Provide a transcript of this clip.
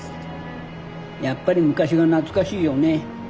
やっぱり昔が懐かしいよね。